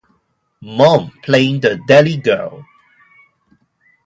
Mom", playing "The Deli Girl".